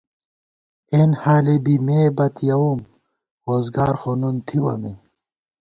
اېنحالےبی مے بتیَوُم، ووزگار خو نُن تھِوَہ مے